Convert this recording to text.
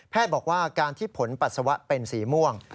บอกว่าการที่ผลปัสสาวะเป็นสีม่วง